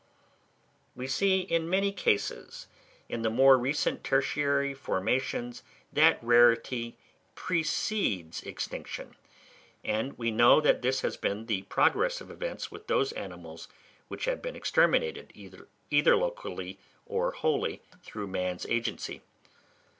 We see in many cases in the more recent tertiary formations that rarity precedes extinction; and we know that this has been the progress of events with those animals which have been exterminated, either locally or wholly, through man's agency.